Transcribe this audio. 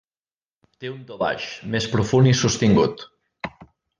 Té un to baix més profund i sostingut.